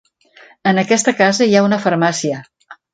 En aquesta casa hi ha una farmàcia.